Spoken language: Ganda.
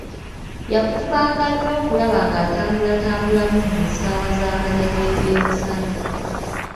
Yafubanga nnyo okulaba ng'atambulatambulamu mu ssaawa za malya g'ebyemisana.